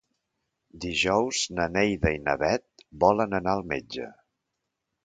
Dijous na Neida i na Bet volen anar al metge.